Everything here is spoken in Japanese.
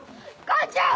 母ちゃん！